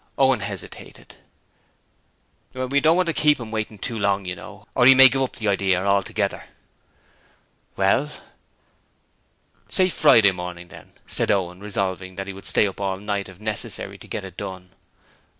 Owen hesitated. 'We don't want to keep 'im waiting too long, you know, or 'e may give up the idear altogether.' 'Well, say Friday morning, then,' said Owen, resolving that he would stay up all night if necessary to get it done.